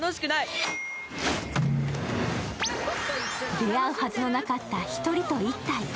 出会うはずのなかった１人と１体。